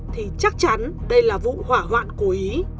thì chắc chắn đây là vụ hỏa hoạn cố ý